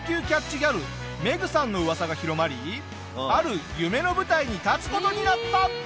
キャッチギャルメグさんの噂が広まりある夢の舞台に立つ事になった！